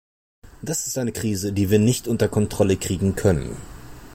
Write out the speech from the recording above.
Das ist eine Krise, die wir nicht unter Kontrolle kriegen können.